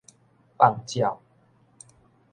放鳥